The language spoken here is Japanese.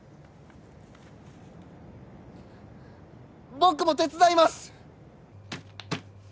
僕も手伝います！